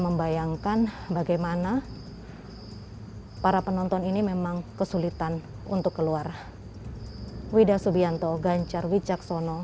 membayangkan bagaimana para penonton ini memang kesulitan untuk keluar wida subianto ganjar wijaksono